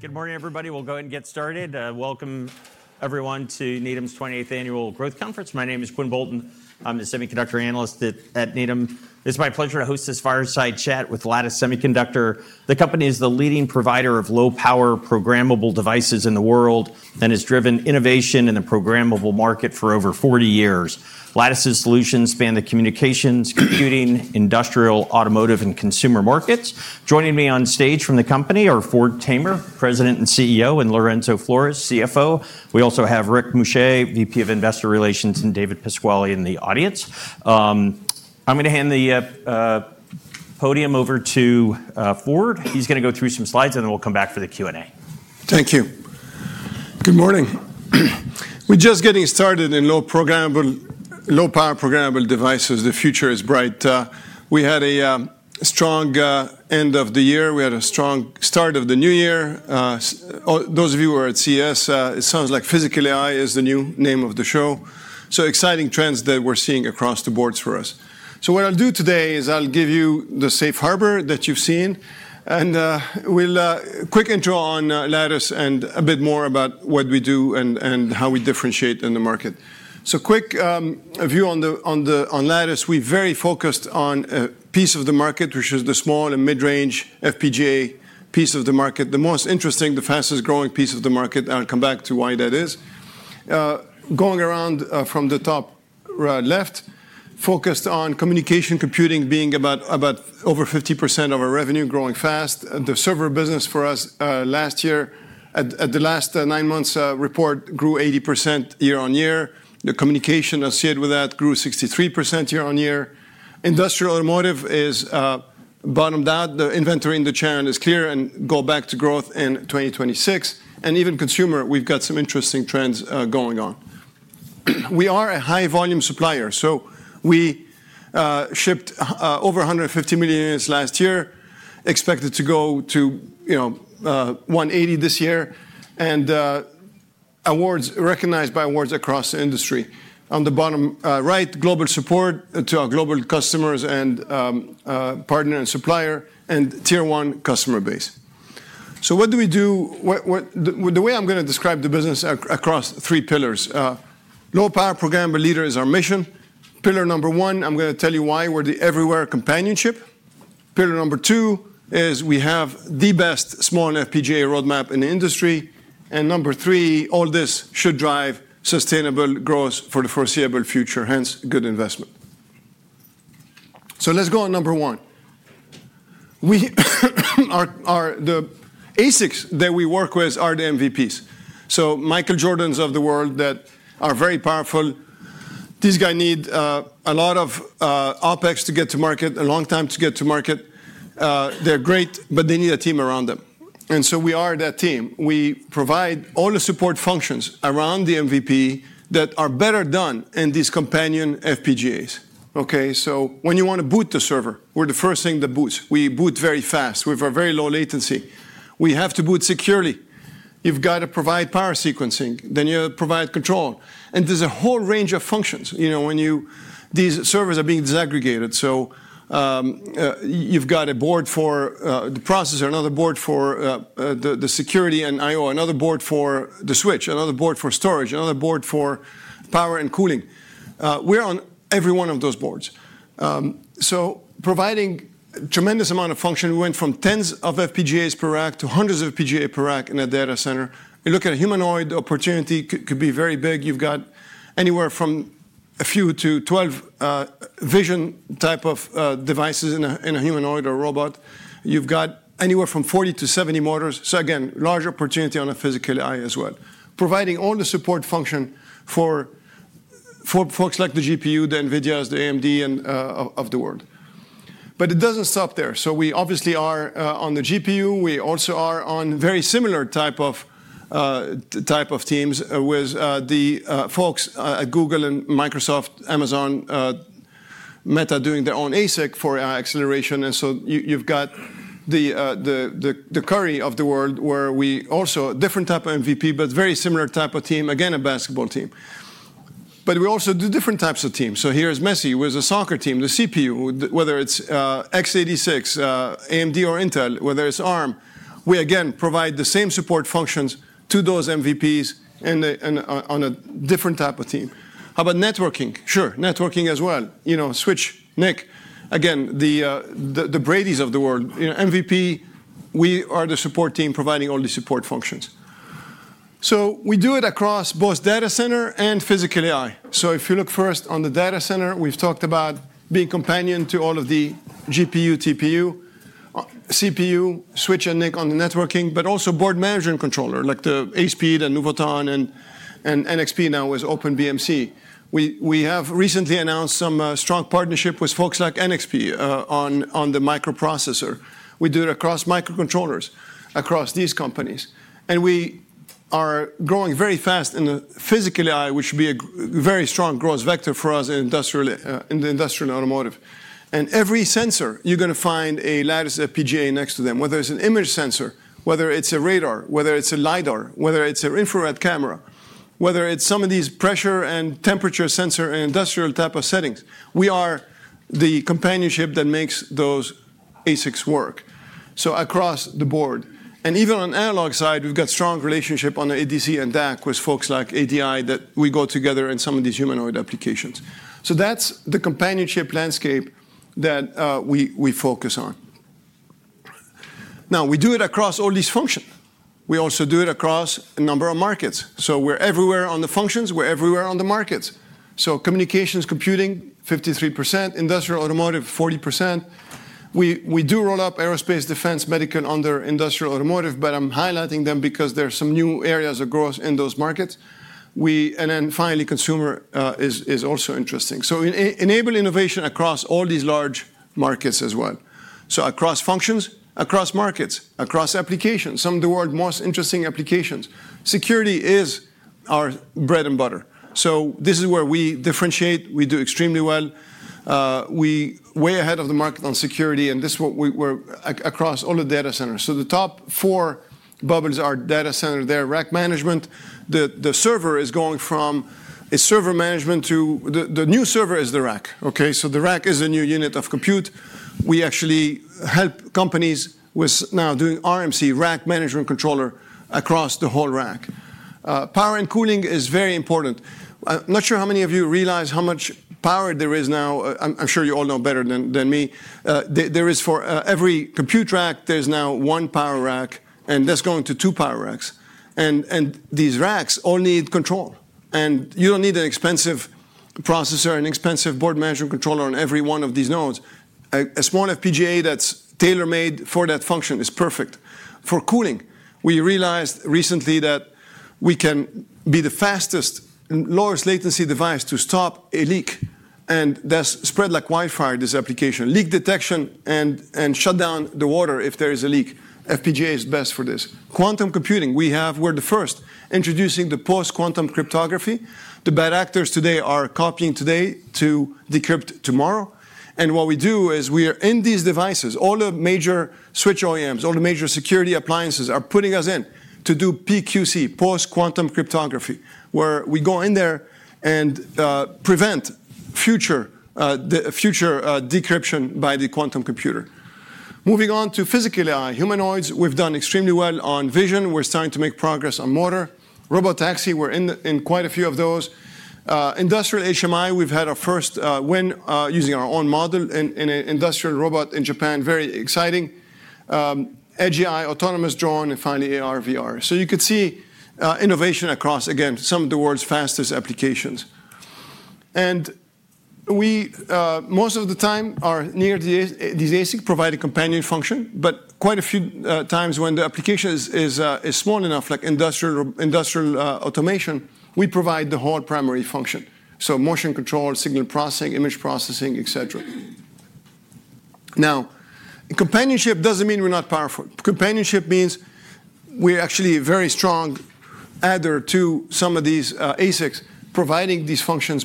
Good morning, everybody. We'll go ahead and get started. Welcome, everyone, to Needham's 28th Annual Growth Conference. My name is Quinn Bolton. I'm the semiconductor analyst at Needham. It's my pleasure to host this fireside chat with Lattice Semiconductor. The company is the leading provider of low-power programmable devices in the world and has driven innovation in the programmable market for over 40 years. Lattice's solutions span the communications, computing, industrial, automotive, and consumer markets. Joining me on stage from the company are Ford Tamer, President and CEO, and Lorenzo Flores, CFO. We also have Rick Muscha, VP of Investor Relations, and David Pasquale in the audience. I'm going to hand the podium over to Ford. He's going to go through some slides, and then we'll come back for the Q&A. Thank you. Good morning. We're just getting started in low-power programmable devices. The future is bright. We had a strong end of the year. We had a strong start of the new year. Those of you who are at CES, it sounds like physical AI is the new name of the show. So exciting trends that we're seeing across the boards for us. So what I'll do today is I'll give you the safe harbor that you've seen, and we'll quick intro on Lattice and a bit more about what we do and how we differentiate in the market. So quick view on Lattice. We're very focused on a piece of the market, which is the small and mid-range FPGA piece of the market, the most interesting, the fastest growing piece of the market. I'll come back to why that is. Going around from the top left, focused on communication computing being about over 50% of our revenue, growing fast. The server business for us last year, at the last nine months' report, grew 80% year-on-year. The communication associated with that grew 63% year-on-year. Industrial automotive is bottomed out. The inventory in the channel is clear and goes back to growth in 2026, and even consumer, we've got some interesting trends going on. We are a high-volume supplier, so we shipped over 150 million units last year, expected to go to 180 this year, and recognized by awards across the industry. On the bottom right, global support to our global customers and partner and supplier, and tier one customer base. What do we do? The way I'm going to describe the business across three pillars. Low-power programmable leader is our mission. Pillar number one, I'm going to tell you why we're the everywhere companionship. Pillar number two is we have the best small FPGA roadmap in the industry. And number three, all this should drive sustainable growth for the foreseeable future, hence good investment. So let's go on number one. The ASICs that we work with are the MVPs. So Michael Jordans of the world that are very powerful. These guys need a lot of OpEx to get to market, a long time to get to market. They're great, but they need a team around them. And so we are that team. We provide all the support functions around the MVP that are better done in these companion FPGAs. So when you want to boot the server, we're the first thing that boots. We boot very fast. We have a very low latency. We have to boot securely. You've got to provide power sequencing. Then you have to provide control. And there's a whole range of functions. These servers are being disaggregated. So you've got a board for the processor, another board for the security and I/O, another board for the switch, another board for storage, another board for power and cooling. We're on every one of those boards. So providing a tremendous amount of function. We went from tens of FPGAs per rack to hundreds of FPGAs per rack in a data center. You look at a humanoid opportunity, it could be very big. You've got anywhere from a few to 12 vision type of devices in a humanoid or robot. You've got anywhere from 40 to 70 motors. So again, large opportunity on a physical AI as well. Providing all the support function for folks like the GPU, the NVIDIAs, the AMD of the world. But it doesn't stop there. So we obviously are on the GPU. We also are on very similar type of teams with the folks at Google and Microsoft, Amazon, Meta doing their own ASIC for acceleration. And so you've got the Curry of the world where we also different type of MVP, but very similar type of team, again, a basketball team. But we also do different types of teams. So here's Messi with a soccer team, the CPU, whether it's x86, AMD, or Intel, whether it's ARM. We again provide the same support functions to those MVPs on a different type of team. How about networking? Sure, networking as well. Switching. Again, the Bradys of the world. MVP, we are the support team providing all the support functions. So we do it across both data center and physical AI. So if you look first on the data center, we've talked about being companion to all of the GPU, TPU, CPU, switch, and NICs on the networking, but also board management controller like the ASPEED and Nuvoton and NXP now with OpenBMC. We have recently announced some strong partnership with folks like NXP on the microprocessor. We do it across microcontrollers across these companies. And we are growing very fast in the physical AI, which would be a very strong growth vector for us in the industrial automotive. And every sensor, you're going to find a Lattice FPGA next to them, whether it's an image sensor, whether it's a radar, whether it's a LiDAR, whether it's an infrared camera, whether it's some of these pressure and temperature sensor and industrial type of settings. We are the companionship that makes those ASICs work across the board. And even on the analog side, we've got strong relationship on the ADC and DAC with folks like ADI that we go together in some of these humanoid applications. So that's the companionship landscape that we focus on. Now, we do it across all these functions. We also do it across a number of markets. So we're everywhere on the functions. We're everywhere on the markets. So communications, computing, 53%. Industrial automotive, 40%. We do roll up aerospace, defense, medical under industrial automotive, but I'm highlighting them because there are some new areas of growth in those markets. And then finally, consumer is also interesting. So enable innovation across all these large markets as well. So across functions, across markets, across applications, some of the world's most interesting applications. Security is our bread and butter. So this is where we differentiate. We do extremely well. We're way ahead of the market on security. And this is what we're across all the data centers. So the top four bubbles are data center. They're rack management. The server is going from server management to the new server is the rack. So the rack is a new unit of compute. We actually help companies with now doing RMC, rack management controller across the whole rack. Power and cooling is very important. I'm not sure how many of you realize how much power there is now. I'm sure you all know better than me. There is for every compute rack, there's now one power rack, and that's going to two power racks. And these racks all need control. And you don't need an expensive processor, an expensive board management controller on every one of these nodes. A small FPGA that's tailor-made for that function is perfect. For cooling, we realized recently that we can be the fastest, lowest latency device to stop a leak and thus spread like wildfire this application. Leak detection and shut down the water if there is a leak. FPGA is best for this. Quantum computing, we're the first introducing the post-quantum cryptography. The bad actors today are copying today to decrypt tomorrow, and what we do is we are in these devices, all the major switch OEMs, all the major security appliances are putting us in to do PQC, post-quantum cryptography, where we go in there and prevent future decryption by the quantum computer. Moving on to physical AI, humanoids, we've done extremely well on vision. We're starting to make progress on motor. Robotaxi, we're in quite a few of those. Industrial HMI, we've had our first win using our own model in an industrial robot in Japan. Very exciting. Edge AI, autonomous drone, and finally AR, VR. So you could see innovation across, again, some of the world's fastest applications. And most of the time, our FPGAs near these ASICs provide a companion function. But quite a few times when the application is small enough, like industrial automation, we provide the whole primary function. So motion control, signal processing, image processing, et cetera. Now, companionship doesn't mean we're not powerful. Companionship means we're actually a very strong add-on to some of these ASICs providing these functions.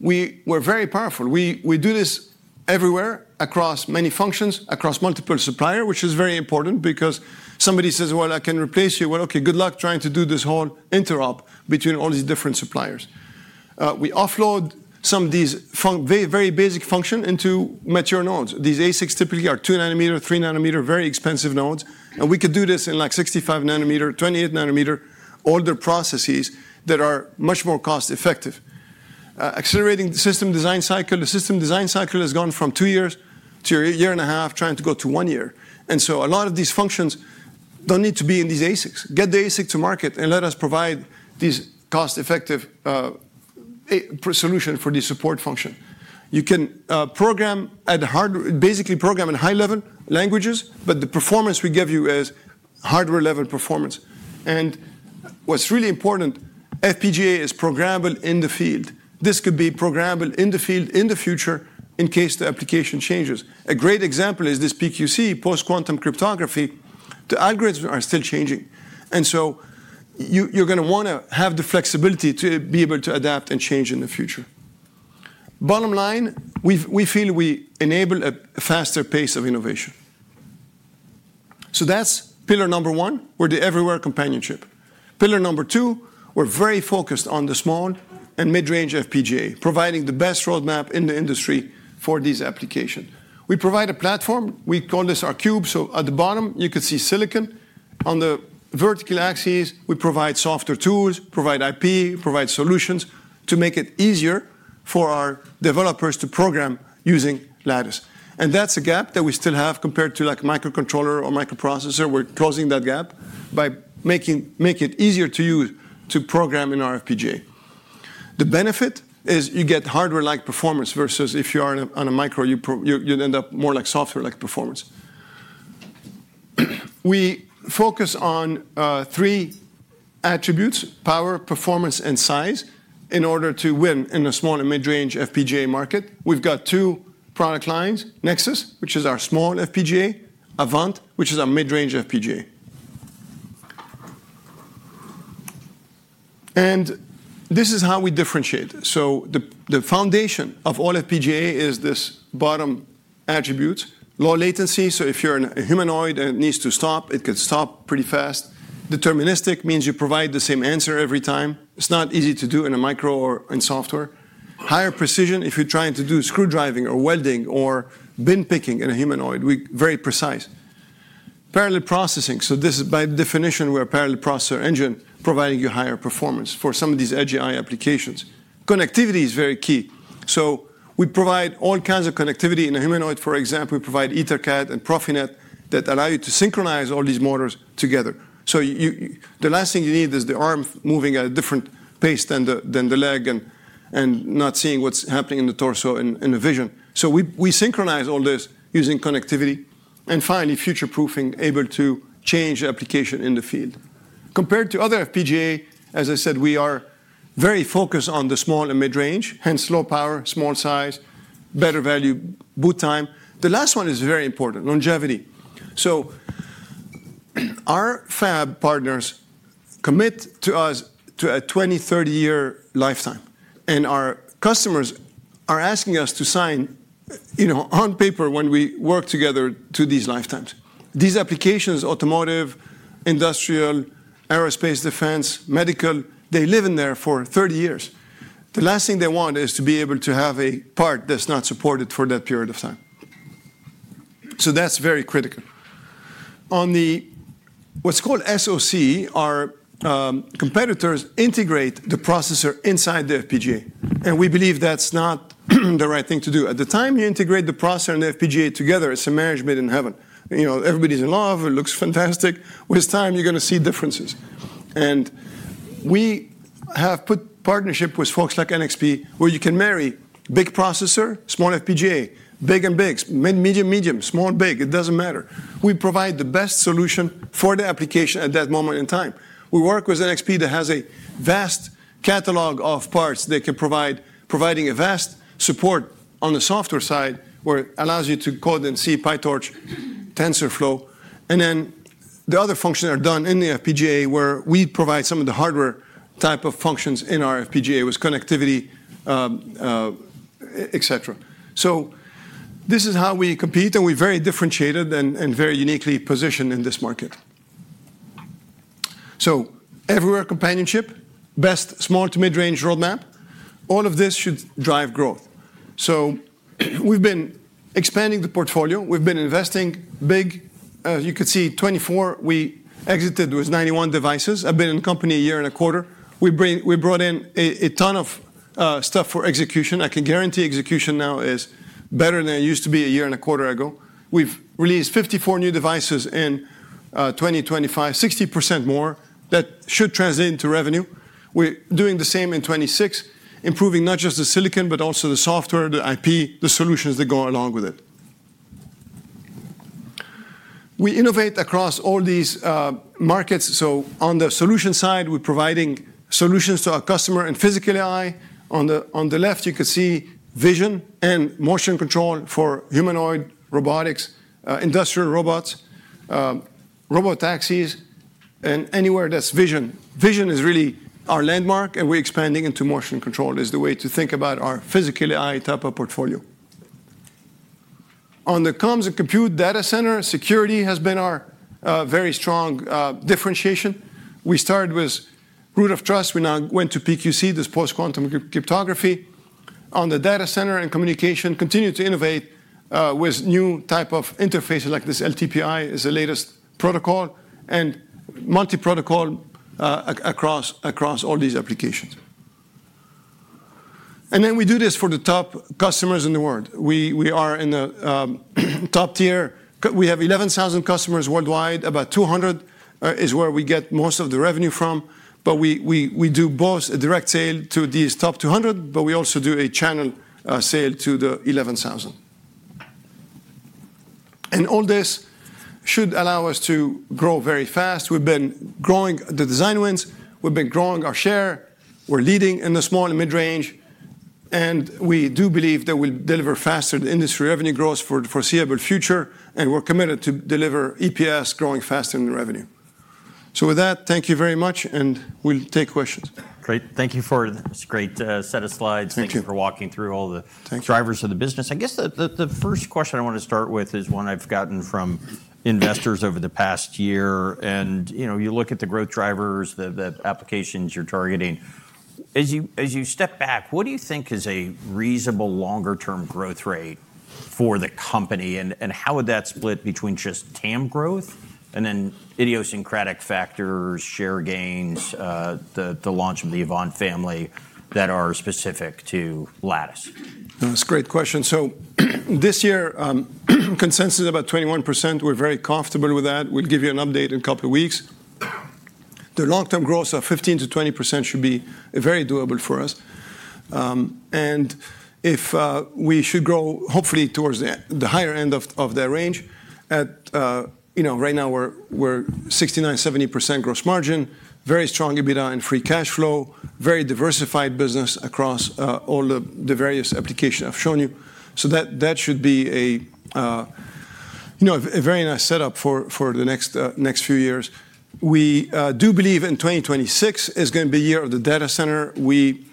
But we're very powerful. We do this everywhere across many functions, across multiple suppliers, which is very important because somebody says, well, I can replace you. Well, OK, good luck trying to do this whole interop between all these different suppliers. We offload some of these very basic functions into mature nodes. These ASICs typically are two nanometer, three nanometer, very expensive nodes. And we could do this in like 65 nanometer, 28 nanometer, older processes that are much more cost-effective. Accelerating the system design cycle. The system design cycle has gone from two years to a year and a half, trying to go to one year. And so a lot of these functions don't need to be in these ASICs. Get the ASIC to market and let us provide these cost-effective solutions for these support functions. You can basically program in high-level languages, but the performance we give you is hardware-level performance. And what's really important, FPGA is programmable in the field. This could be programmable in the field in the future in case the application changes. A great example is this PQC, post-quantum cryptography. The algorithms are still changing. And so you're going to want to have the flexibility to be able to adapt and change in the future. Bottom line, we feel we enable a faster pace of innovation. So that's pillar number one. We're the everywhere companionship. Pillar number two, we're very focused on the small and mid-range FPGA, providing the best roadmap in the industry for these applications. We provide a platform. We call this our cube. So at the bottom, you could see silicon. On the vertical axes, we provide software tools, provide IP, provide solutions to make it easier for our developers to program using Lattice. And that's a gap that we still have compared to like microcontroller or microprocessor. We're closing that gap by making it easier to use to program in our FPGA. The benefit is you get hardware-like performance versus if you are on a micro, you'd end up more like software-like performance. We focus on three attributes: power, performance, and size in order to win in a small and mid-range FPGA market. We've got two product lines: Nexus, which is our small FPGA, Avant, which is our mid-range FPGA. And this is how we differentiate. So the foundation of all FPGA is this bottom attribute: low latency. So if you're a humanoid and it needs to stop, it could stop pretty fast. Deterministic means you provide the same answer every time. It's not easy to do in a micro or in software. Higher precision if you're trying to do screwdriving or welding or bin picking in a humanoid. Very precise. Parallel processing. So this is by definition, we're a parallel processor engine providing you higher performance for some of these edge AI applications. Connectivity is very key. So we provide all kinds of connectivity. In a humanoid, for example, we provide EtherCAT and PROFINET that allow you to synchronize all these motors together. So the last thing you need is the arm moving at a different pace than the leg and not seeing what's happening in the torso in the vision. So we synchronize all this using connectivity. And finally, future-proofing, able to change the application in the field. Compared to other FPGA, as I said, we are very focused on the small and mid-range, hence low power, small size, better value boot time. The last one is very important: longevity. So our Fab partners commit to us to a 20- to 30-year lifetime. And our customers are asking us to sign on paper when we work together to these lifetimes. These applications, automotive, industrial, aerospace, defense, medical, they live in there for 30 years. The last thing they want is to be able to have a part that's not supported for that period of time, so that's very critical. On what's called SoC, our competitors integrate the processor inside the FPGA. And we believe that's not the right thing to do. At the time you integrate the processor and the FPGA together, it's a marriage made in heaven. Everybody's in love. It looks fantastic. With time, you're going to see differences. And we have partnerships with folks like NXP where you can marry big processor, small FPGA, big and bigs, medium, medium, small, big. It doesn't matter. We provide the best solution for the application at that moment in time. We work with NXP that has a vast catalog of parts that can provide a vast support on the software side where it allows you to code in C, PyTorch, TensorFlow. And then the other functions are done in the FPGA where we provide some of the hardware type of functions in our FPGA with connectivity, et cetera. So this is how we compete. And we're very differentiated and very uniquely positioned in this market. So everywhere companionship, best small to mid-range roadmap. All of this should drive growth. So we've been expanding the portfolio. We've been investing big. As you could see, 2024, we exited with 91 devices. I've been in the company a year and a quarter. We brought in a ton of stuff for execution. I can guarantee execution now is better than it used to be a year and a quarter ago. We've released 54 new devices in 2025, 60% more that should translate into revenue. We're doing the same in 2026, improving not just the silicon, but also the software, the IP, the solutions that go along with it. We innovate across all these markets, so on the solution side, we're providing solutions to our customer in Physical AI. On the left, you could see vision and motion control for humanoid, robotics, industrial robots, robotaxis, and anywhere that's vision. Vision is really our landmark, and we're expanding into motion control is the way to think about our Physical AI type of portfolio. On the comms and compute data center, security has been our very strong differentiation. We started with Root of Trust. We now went to PQC, this post-quantum cryptography. On the data center and communication, continue to innovate with new type of interfaces like this LTPI is the latest protocol and multi-protocol across all these applications. We do this for the top customers in the world. We are in the top tier. We have 11,000 customers worldwide. About 200 is where we get most of the revenue from. We do both a direct sale to these top 200, but we also do a channel sale to the 11,000. All this should allow us to grow very fast. We've been growing the design wins. We've been growing our share. We're leading in the small and mid-range. We do believe that we'll deliver faster industry revenue growth for the foreseeable future. We're committed to deliver EPS growing faster in revenue. With that, thank you very much. We'll take questions. Great. Thank you for this great set of slides. Thank you for walking through all the drivers of the business. I guess the first question I want to start with is one I've gotten from investors over the past year, and you look at the growth drivers, the applications you're targeting. As you step back, what do you think is a reasonable longer-term growth rate for the company? And how would that split between just TAM growth and then idiosyncratic factors, share gains, the launch of the Avant family that are specific to Lattice? That's a great question, so this year, consensus is about 21%. We're very comfortable with that. We'll give you an update in a couple of weeks. The long-term growth of 15%-20% should be very doable for us, and we should grow, hopefully, towards the higher end of that range. Right now, we're 69%-70% gross margin, very strong EBITDA and free cash flow, very diversified business across all the various applications I've shown you. That should be a very nice setup for the next few years. We do believe in 2026 is going to be the year of the data center. We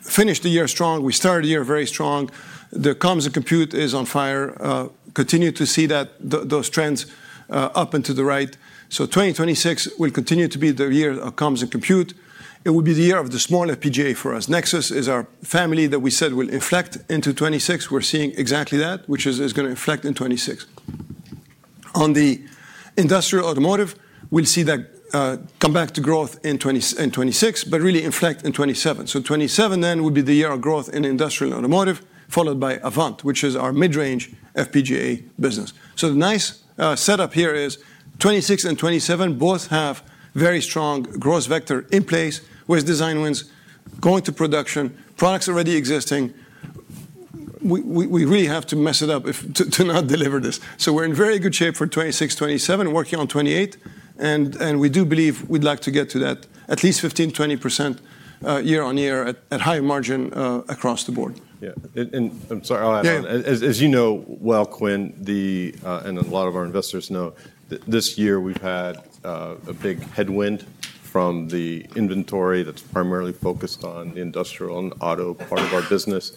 finished the year strong. We started the year very strong. The comms and compute is on fire. Continue to see those trends up and to the right. 2026 will continue to be the year of comms and compute. It will be the year of the small FPGA for us. Nexus is our family that we said will inflect into 2026. We're seeing exactly that, which is going to inflect in 2026. On the industrial automotive, we'll see that come back to growth in 2026, but really inflect in 2027. 2027 then will be the year of growth in industrial automotive, followed by Avant, which is our mid-range FPGA business. So the nice setup here is 2026 and 2027 both have very strong growth vector in place with design wins going to production, products already existing. We really have to mess it up to not deliver this. So we're in very good shape for 2026, 2027, working on 2028. And we do believe we'd like to get to that at least 15%-20% year on year at high margin across the board. Yeah. And I'm sorry. As you know well, Quinn, and a lot of our investors know, this year we've had a big headwind from the inventory that's primarily focused on the industrial and auto part of our business.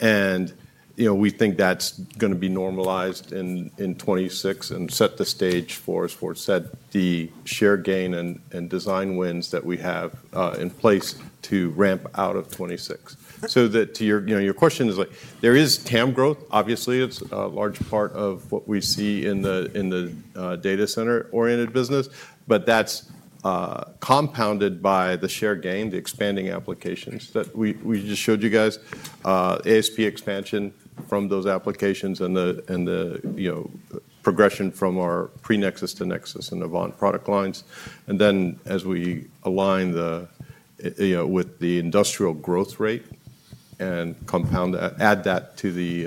And we think that's going to be normalized in 2026 and set the stage for, as Ford said, the share gain and design wins that we have in place to ramp out of 2026. To your question, there is TAM growth. Obviously, it's a large part of what we see in the data center-oriented business. But that's compounded by the share gain, the expanding applications that we just showed you guys, ASP expansion from those applications and the progression from our pre-Nexus to Nexus and Avant product lines. And then as we align with the industrial growth rate and add that to the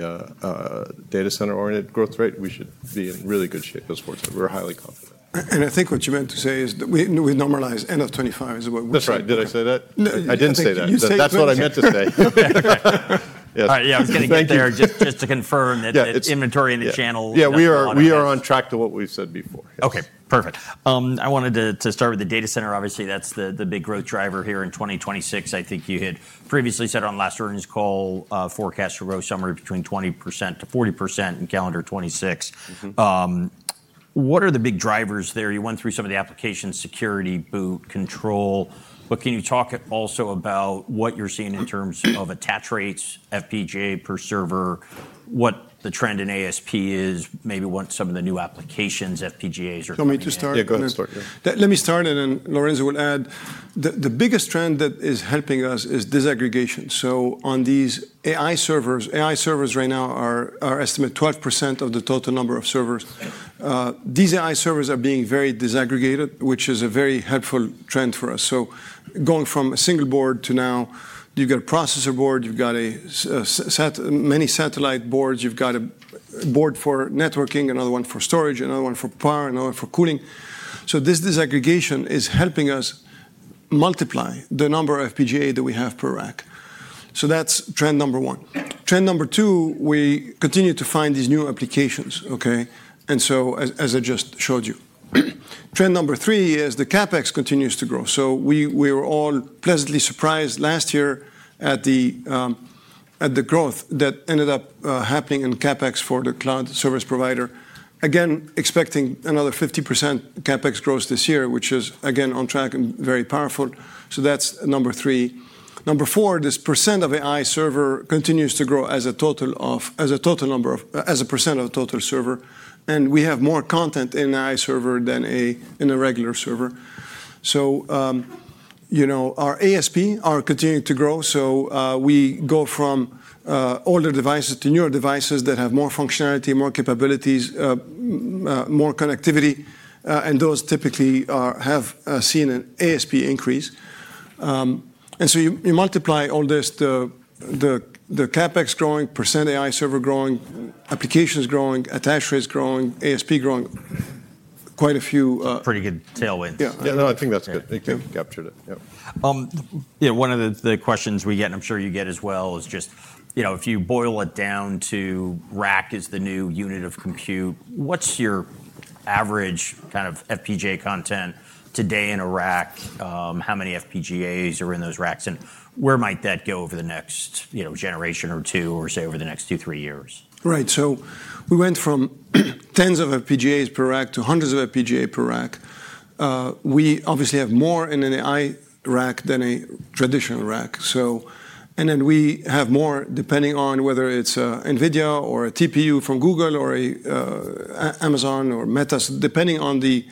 data center-oriented growth rate, we should be in really good shape, as Ford said. We're highly confident. And I think what you meant to say is that we normalize end of 2025 is what we're saying. That's right. Did I say that? I didn't say that. That's what I meant to say. Yes. All right. Yeah. I was going to get there just to confirm that inventory in the channel is normalizing. Yeah. We are on track to what we said before. Yes. Okay. Perfect. I wanted to start with the data center. Obviously, that's the big growth driver here in 2026. I think you had previously said on last earnings call forecast a growth summary between 20% to 40% in calendar 2026. What are the big drivers there? You went through some of the application security, boot, control. But can you talk also about what you're seeing in terms of attach rates, FPGA per server, what the trend in ASP is, maybe what some of the new applications, FPGAs are doing? You want me to start? Yeah. Go ahead. Let me start. And then Lorenzo will add. The biggest trend that is helping us is disaggregation. So on these AI servers, AI servers right now are estimated 12% of the total number of servers. These AI servers are being very disaggregated, which is a very helpful trend for us. So going from a single board to now, you've got a processor board, you've got many satellite boards, you've got a board for networking, another one for storage, another one for power, another one for cooling. So this disaggregation is helping us multiply the number of FPGA that we have per rack. So that's trend number one. Trend number two, we continue to find these new applications. And so as I just showed you. Trend number three is the CapEx continues to grow. So we were all pleasantly surprised last year at the growth that ended up happening in CapEx for the cloud service provider. Again, expecting another 50% CapEx growth this year, which is, again, on track and very powerful. So that's number three. Number four, this percent of AI server continues to grow as a total number of as a percent of total server. And we have more content in an AI server than in a regular server. So our ASP are continuing to grow. So we go from older devices to newer devices that have more functionality, more capabilities, more connectivity. And those typically have seen an ASP increase. And so you multiply all this, the CapEx growing, percent AI server growing, applications growing, attach rates growing, ASP growing, quite a few. Pretty good tailwinds. Yeah. No, I think that's good. I think you captured it. Yeah. One of the questions we get, and I'm sure you get as well, is just if you boil it down to rack is the new unit of compute, what's your average kind of FPGA content today in a rack? How many FPGAs are in those racks? And where might that go over the next generation or two, or say over the next two, three years? Right. So we went from tens of FPGAs per rack to hundreds of FPGAs per rack. We obviously have more in an AI rack than a traditional rack. And then we have more depending on whether it's an NVIDIA or a TPU from Google or Amazon or Meta, depending on the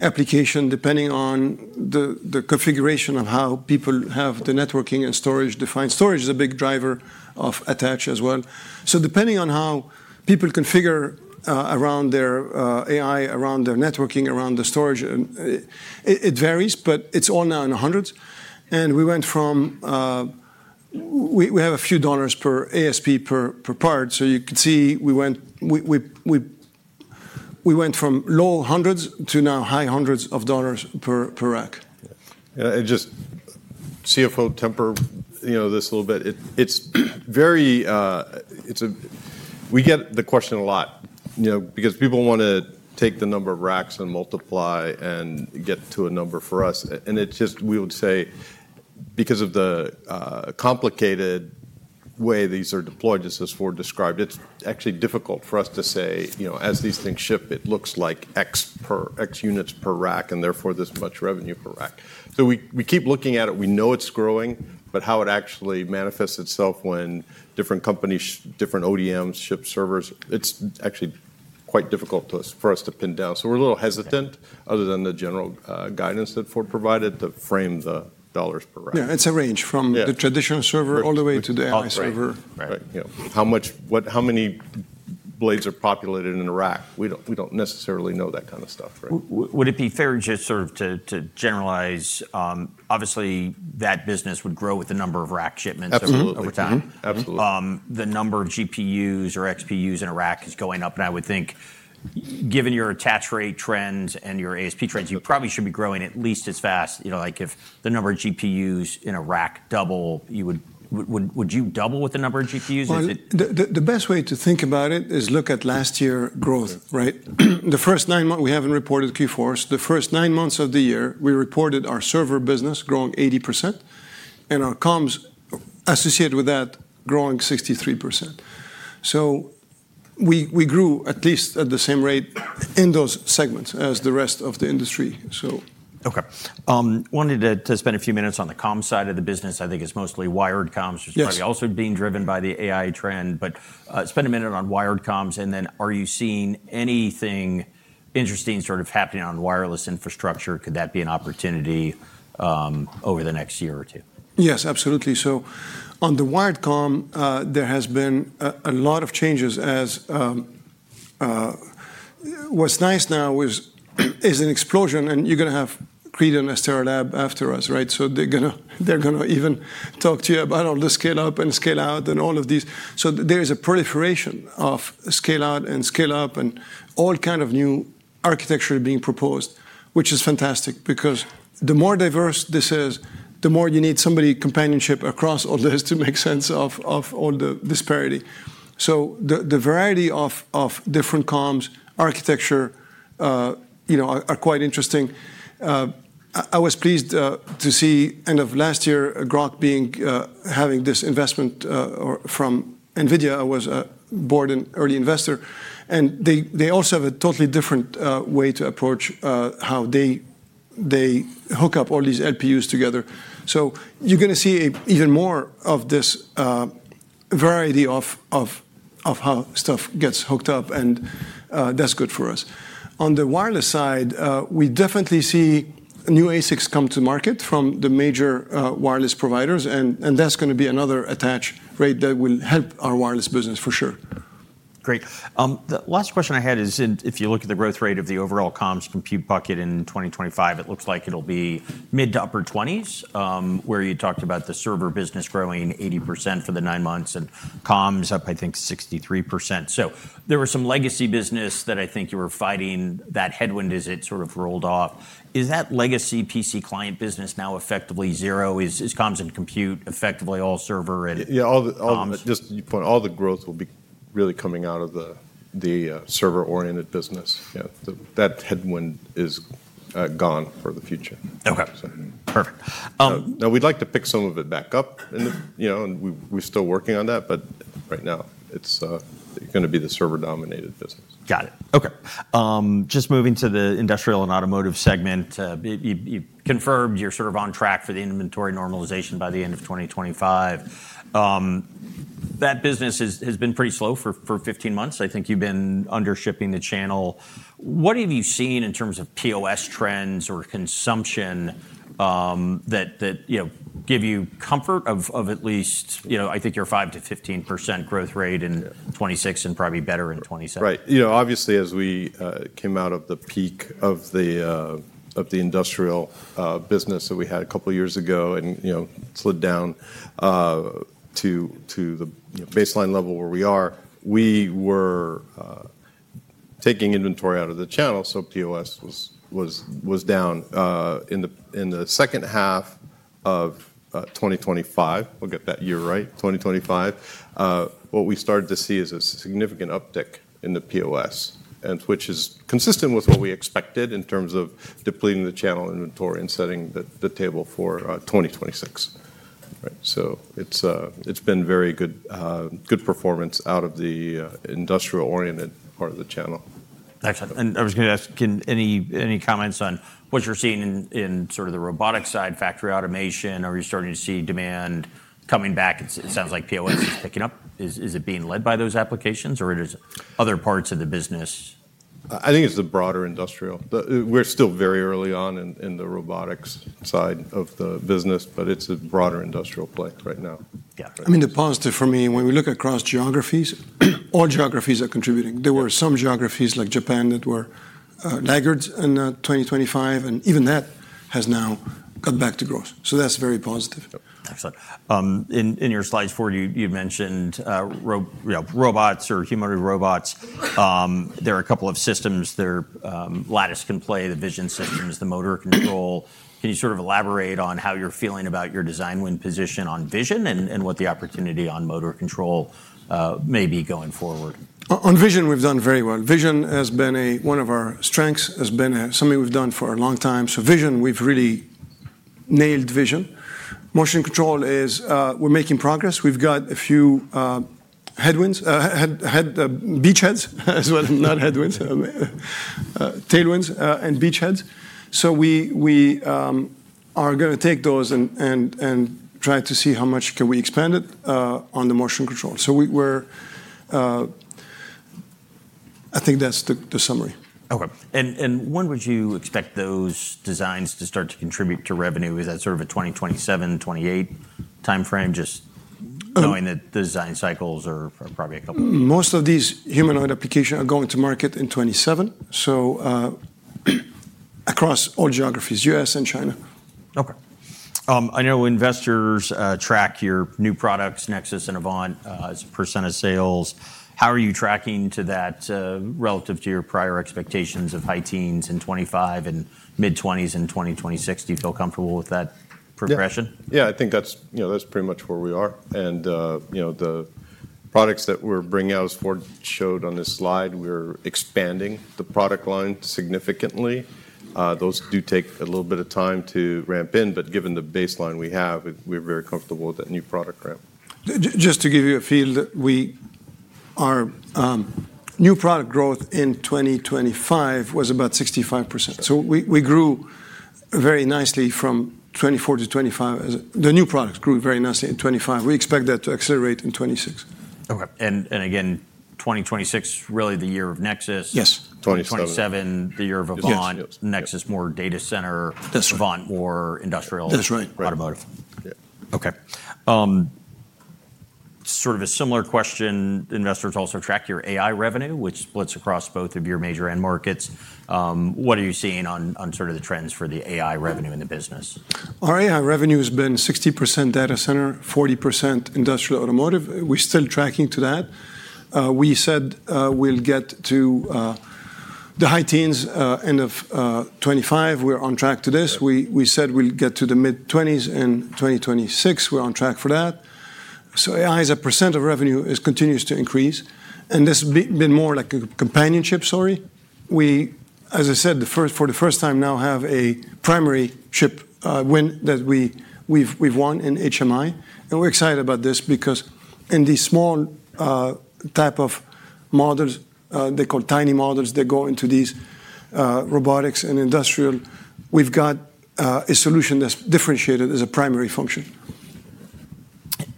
application, depending on the configuration of how people have the networking and storage defined. Storage is a big driver of attach as well. So depending on how people configure around their AI, around their networking, around the storage, it varies. But it's all now in the hundreds. And we went from we have a few dollars per ASP per part. So you can see we went from low hundreds to now high hundreds of dollars per rack. Yeah. And just, CFO, temper this a little bit. We get the question a lot because people want to take the number of racks and multiply and get to a number for us. And it's just we would say because of the complicated way these are deployed, just as Ford described, it's actually difficult for us to say, as these things ship, it looks like X units per rack, and therefore this much revenue per rack. So we keep looking at it. We know it's growing. But how it actually manifests itself when different companies, different ODMs ship servers, it's actually quite difficult for us to pin down. So we're a little hesitant, other than the general guidance that Ford provided, to frame the dollars per rack. Yeah. It's a range from the traditional server all the way to the AI server. Right. How many blades are populated in a rack? We don't necessarily know that kind of stuff. Would it be fair just sort of to generalize? Obviously, that business would grow with the number of rack shipments over time. Absolutely. The number of GPUs or XPUs in a rack is going up. And I would think, given your attach rate trends and your ASP trends, you probably should be growing at least as fast. If the number of GPUs in a rack double, would you double with the number of GPUs? The best way to think about it is look at last year's growth. The first nine months we haven't reported Q4s. The first nine months of the year, we reported our server business growing 80% and our comms associated with that growing 63%. So we grew at least at the same rate in those segments as the rest of the industry. Okay. Wanted to spend a few minutes on the comms side of the business. I think it's mostly wired comms, which is probably also being driven by the AI trend. But spend a minute on wired comms. And then are you seeing anything interesting sort of happening on wireless infrastructure? Could that be an opportunity over the next year or two? Yes, absolutely. So on the wired comm, there has been a lot of changes. What's nice now is an explosion. And you're going to have Credo and Astera Labs after us. So they're going to even talk to you about all the scale-up and scale-out and all of these. There is a proliferation of scale-out and scale-up and all kinds of new architecture being proposed, which is fantastic because the more diverse this is, the more you need somebody companionship across all this to make sense of all the disparity. The variety of different comms architecture are quite interesting. I was pleased to see end of last year Groq having this investment from NVIDIA. I was on the board and early investor. They also have a totally different way to approach how they hook up all these LPUs together. You're going to see even more of this variety of how stuff gets hooked up. That's good for us. On the wireless side, we definitely see new ASICs come to market from the major wireless providers. That's going to be another attach rate that will help our wireless business for sure. Great. The last question I had is, if you look at the growth rate of the overall comms compute bucket in 2025, it looks like it'll be mid- to upper-20s%. You talked about the server business growing 80% for the nine months and comms up, I think, 63%. So there was some legacy business that I think you were fighting. That headwind, as it sort of rolled off, is that legacy PC client business now effectively zero? Is comms and compute effectively all server and comms? Yeah. Just your point, all the growth will be really coming out of the server-oriented business. That headwind is gone for the future. Okay. Perfect. Now, we'd like to pick some of it back up, and we're still working on that, but right now, it's going to be the server-dominated business. Got it. Okay. Just moving to the industrial and automotive segment, you confirmed you're sort of on track for the inventory normalization by the end of 2025. That business has been pretty slow for 15 months. I think you've been undershipping the channel. What have you seen in terms of POS trends or consumption that give you comfort of at least, I think you're 5%-15% growth rate in 2026 and probably better in 2027? Right. Obviously, as we came out of the peak of the industrial business that we had a couple of years ago and slid down to the baseline level where we are, we were taking inventory out of the channel. So POS was down. In the second half of 2025, we'll get that year right, 2025. What we started to see is a significant uptick in the POS, which is consistent with what we expected in terms of depleting the channel inventory and setting the table for 2026. So it's been very good performance out of the industrial-oriented part of the channel. Excellent. And I was going to ask, can any comments on what you're seeing in sort of the robotics side, factory automation? Are you starting to see demand coming back? It sounds like POS is picking up. Is it being led by those applications, or are there other parts of the business? I think it's the broader industrial. We're still very early on in the robotics side of the business. But it's a broader industrial play right now. Yeah. I mean, the positive for me, when we look across geographies, all geographies are contributing. There were some geographies like Japan that were laggards in 2025. And even that has now got back to growth. So that's very positive. Excellent. In your slides, Ford, you mentioned robots or humanoid robots. There are a couple of systems there, Lattice can play, the vision systems, the motor control. Can you sort of elaborate on how you're feeling about your design win position on vision and what the opportunity on motor control may be going forward? On vision, we've done very well. Vision has been one of our strengths, has been something we've done for a long time. So vision, we've really nailed vision. Motion control is we're making progress. We've got a few headwinds, beachheads as well, not headwinds, tailwinds, and beachheads. So we are going to take those and try to see how much can we expand it on the motion control. So I think that's the summary. Okay. And when would you expect those designs to start to contribute to revenue? Is that sort of a 2027, 2028 time frame, just knowing that the design cycles are probably a couple of years? Most of these humanoid applications are going to market in 2027, so across all geographies, U.S. and China. Okay. I know investors track your new products, Nexus and Avant, as a percent of sales. How are you tracking to that relative to your prior expectations of high teens in 2025 and mid-20s in 2026? Do you feel comfortable with that progression? Yeah. I think that's pretty much where we are. The products that we're bringing out, as Ford showed on this slide, we're expanding the product line significantly. Those do take a little bit of time to ramp in. But given the baseline we have, we're very comfortable with that new product ramp. Just to give you a feel, our new product growth in 2025 was about 65%. So we grew very nicely from 2024 to 2025. The new products grew very nicely in 2025. We expect that to accelerate in 2026. Okay. Again, 2026, really the year of Nexus. Yes. 2027, the year of Avant. Nexus, more data center. Avant, more industrial. That's right. Automotive. Yeah. Okay. Sort of a similar question, investors also track your AI revenue, which splits across both of your major end markets. What are you seeing on sort of the trends for the AI revenue in the business? Our AI revenue has been 60% data center, 40% industrial automotive. We're still tracking to that. We said we'll get to the high teens end of 2025. We're on track to this. We said we'll get to the mid-20s in 2026. We're on track for that. So AI is a percent of revenue that continues to increase. And this has been more like a companionship, sorry. We, as I said, for the first time now have a primary chip win that we've won in HMI. And we're excited about this because in these small type of models, they're called tiny models. They go into these robotics and industrial. We've got a solution that's differentiated as a primary function.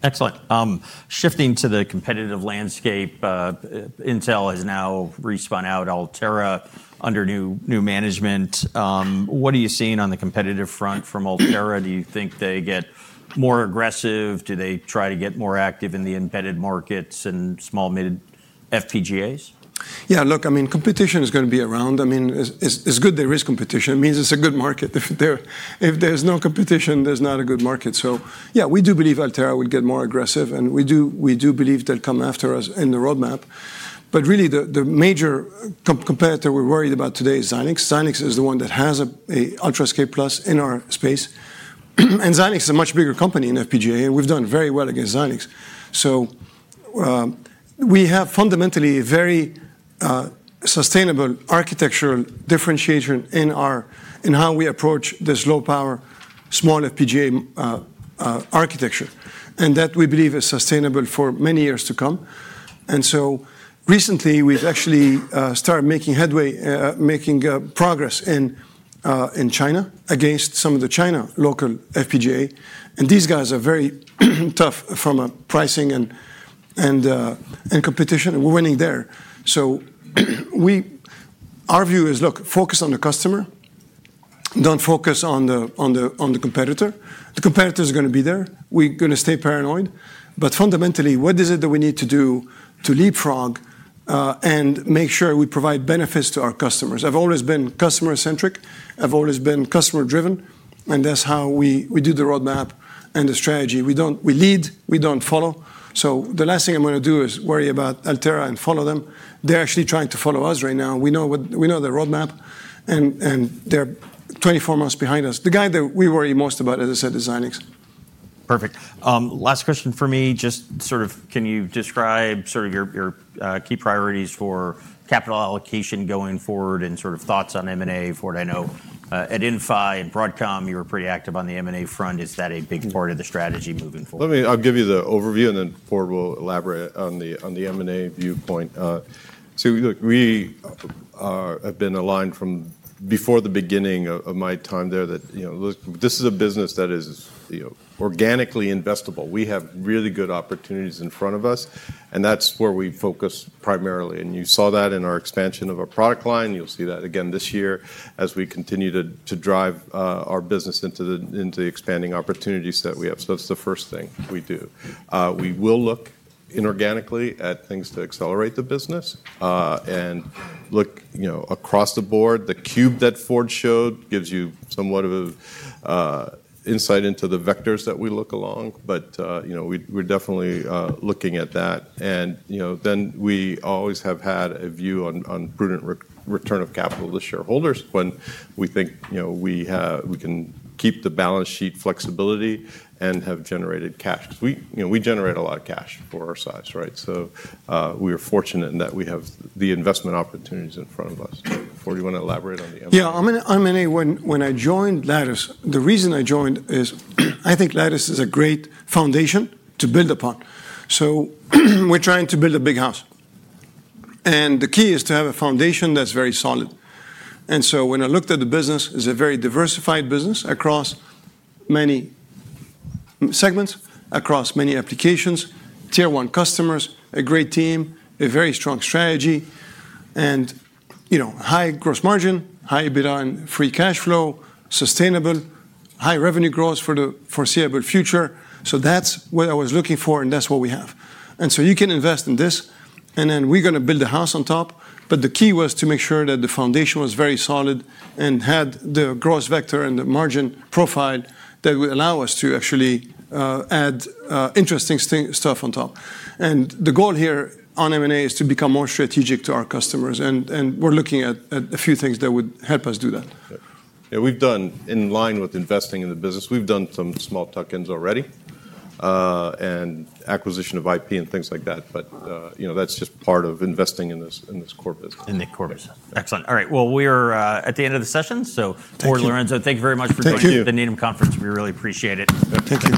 Excellent. Shifting to the competitive landscape, Intel has now respun out Altera under new management. What are you seeing on the competitive front from Altera? Do you think they get more aggressive? Do they try to get more active in the embedded markets and small, mid FPGAs? Yeah. Look, I mean, competition is going to be around. I mean, it's good there is competition. It means it's a good market. If there's no competition, there's not a good market. So yeah, we do believe Altera will get more aggressive. And we do believe they'll come after us in the roadmap. But really, the major competitor we're worried about today is Xilinx. Xilinx is the one that has an UltraScale+ in our space. And Xilinx is a much bigger company in FPGA. And we've done very well against Xilinx. So we have fundamentally a very sustainable architectural differentiation in how we approach this low-power, small FPGA architecture. And that we believe is sustainable for many years to come. And so recently, we've actually started making progress in China against some of the Chinese local FPGAs. And these guys are very tough from a pricing and competition. We're winning there. So our view is, look, focus on the customer. Don't focus on the competitor. The competitor is going to be there. We're going to stay paranoid. But fundamentally, what is it that we need to do to leapfrog and make sure we provide benefits to our customers? I've always been customer-centric. I've always been customer-driven. And that's how we do the roadmap and the strategy. We lead. We don't follow. So the last thing I'm going to do is worry about Altera and follow them. They're actually trying to follow us right now. We know the roadmap. And they're 24 months behind us. The guy that we worry most about, as I said, is Xilinx. Perfect. Last question for me. Just sort of can you describe sort of your key priorities for capital allocation going forward and sort of thoughts on M&A? Ford, I know at Inphi and Broadcom, you were pretty active on the M&A front. Is that a big part of the strategy moving forward? I'll give you the overview. And then Ford will elaborate on the M&A viewpoint. So look, we have been aligned from before the beginning of my time there that this is a business that is organically investable. We have really good opportunities in front of us. And that's where we focus primarily. And you saw that in our expansion of our product line. You'll see that again this year as we continue to drive our business into the expanding opportunities that we have. So that's the first thing we do. We will look inorganically at things to accelerate the business and look across the board. The cube that Ford showed gives you somewhat of an insight into the vectors that we look along. But we're definitely looking at that. And then we always have had a view on prudent return of capital to shareholders when we think we can keep the balance sheet flexibility and have generated cash. We generate a lot of cash for our size, right? So we are fortunate in that we have the investment opportunities in front of us. Ford, do you want to elaborate on the M&A? Yeah. I was in awe when I joined Lattice. The reason I joined is I think Lattice is a great foundation to build upon. So we're trying to build a big house. And the key is to have a foundation that's very solid. And so when I looked at the business, it's a very diversified business across many segments, across many applications, tier one customers, a great team, a very strong strategy, and high gross margin, high EBITDA and free cash flow, sustainable, high revenue growth for the foreseeable future. So that's what I was looking for. And that's what we have. And so you can invest in this. And then we're going to build a house on top. But the key was to make sure that the foundation was very solid and had the growth vector and the margin profile that would allow us to actually add interesting stuff on top. And the goal here on M&A is to become more strategic to our customers. And we're looking at a few things that would help us do that. Yeah. In line with investing in the business, we've done some small tuck-ins already and acquisition of IP and things like that. But that's just part of investing in this core business. Excellent. All right. Well, we are at the end of the session. So, Ford, Lorenzo, thank you very much for joining the Needham Conference. We really appreciate it. Thank you.